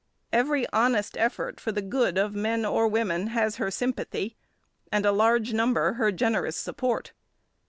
Every honest effort for the good of men or women has her sympathy, and a large number her generous support.